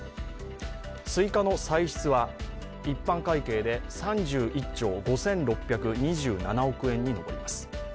追加の歳出は一般会計で３１兆５６２７億円に上ります。